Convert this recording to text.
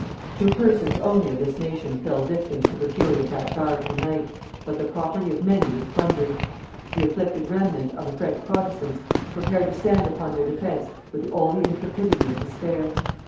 Two persons only of this nation fell victims to the fury of that direful night, but the property of many was plundered. The afflicted remnant of the French protestants prepared to stand upon their defence with all the intrepidity of despair.